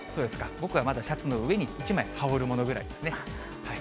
僕はまだシャツの上に１枚羽織るぐらいですね。